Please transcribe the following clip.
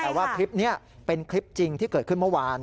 แต่ว่าคลิปนี้เป็นคลิปจริงที่เกิดขึ้นเมื่อวาน